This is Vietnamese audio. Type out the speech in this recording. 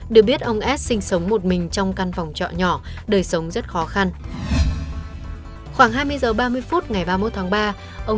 được biết ông s sinh sống một mình trong căn phòng trọ nhỏ đời sống rất khó khăn